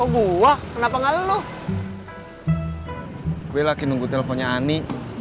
gua kenapa ngaluh gue lagi nunggu teleponnya ani